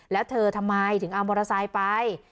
แล้วเธอทำไมถึงเอามอเตอร์ไซค์ไป